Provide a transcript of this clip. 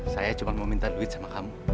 saya cuma mau minta duit sama kamu